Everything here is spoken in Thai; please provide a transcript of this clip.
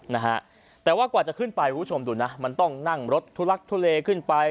นะฮะแต่ว่ากว่าจะขึ้นไปคุณผู้ชมดูนะมันต้องนั่งรถทุลักทุเลขึ้นไป